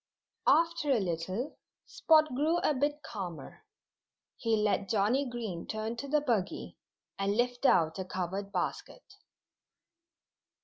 After a little Spot grew a bit calmer. He let Johnnie Green turn to the buggy and lift out a covered basket.